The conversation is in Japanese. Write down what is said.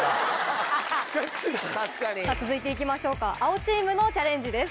さぁ続いて行きましょうか青チームのチャレンジです。